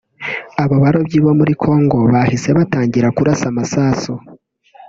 abo barobyi bo muri Congo bahise batangira kurasa amasasu